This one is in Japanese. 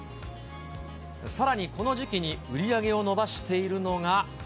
さらにこの時期に売り上げを伸ばしているのが。